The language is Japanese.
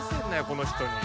この人に。